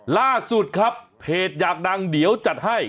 ล่าสุดครับเพจอยากดังเดี๋ยวจัดให้